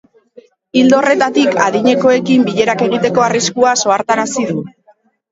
Ildo horretan, adinekoekin bilerak egiteko arriskuaz ohartarazi du.